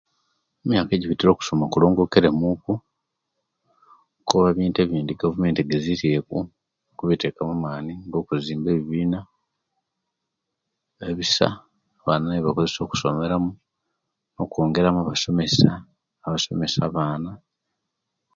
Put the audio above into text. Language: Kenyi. Emiyaka ejibitire okusoma kulongokere muku kuba ebintu ebindi gavumenti egezerye ku kubiteka mu nga okuzimba ebibina ebisa abaana ebakoywsa okusomesa mu nokwongera mu abasomesa abasomesa abaana